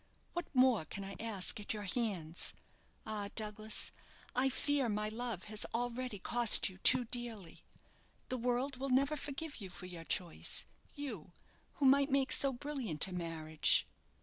What more can I ask at your hands? Ah! Douglas, I fear my love has already cost you too dearly. The world will never forgive you for your choice; you, who might make so brilliant a marriage!"